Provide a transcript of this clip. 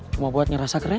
cuma buat ngerasainya